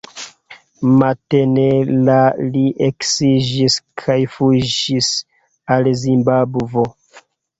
Matene la li eksiĝis kaj fuĝis al Zimbabvo.